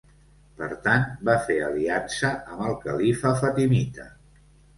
Per tant va fer aliança amb el califa fatimita.